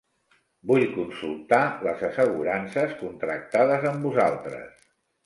Vull consultar les assegurances contractades amb vosaltres.